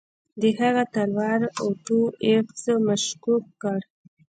د هغه تلوار اوټو ایفز مشکوک کړ.